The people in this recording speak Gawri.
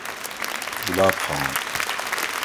گلاب خان